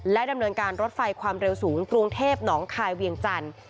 ดำเนินการรถไฟความเร็วสูงกรุงเทพหนองคายเวียงจันทร์